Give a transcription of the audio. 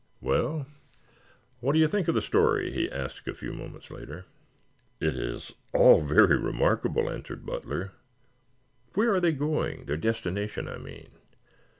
"Well, what do you think of the story?" he asked a few moments later. "It is all very remarkable," answered Butler. "Where are they going their destination, I mean?"